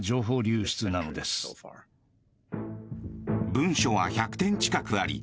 文書は１００点近くあり